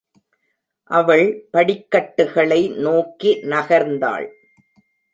அவள் படிக்கட்டுகளை நோக்கி நகர்ந்தாள்.